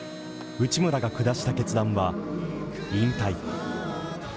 内村が下した決断は引退。